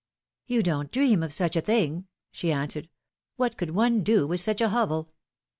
^^You don't dream of such a thing!" she answered. What could one do with such a hovel?"